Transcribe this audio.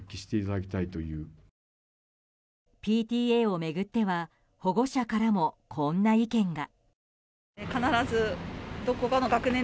ＰＴＡを巡っては保護者からも、こんな意見が。